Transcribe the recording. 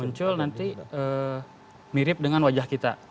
muncul nanti mirip dengan wajah kita